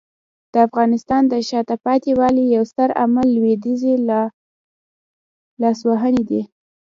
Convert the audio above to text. د افغانستان د شاته پاتې والي یو ستر عامل لویدیځي لاسوهنې دي.